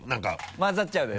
まざっちゃうだろ？